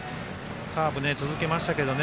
カーブ、続けましたけどね。